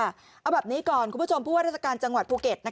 เอาแบบนี้ก่อนคุณผู้ชมผู้ว่าราชการจังหวัดภูเก็ต